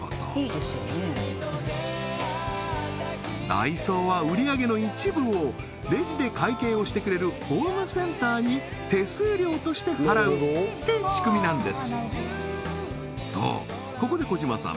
ダイソーは売上げの一部をレジで会計をしてくれるホームセンターに手数料として払うって仕組みなんですとここで児島さん